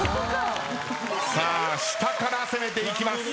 下から攻めていきます。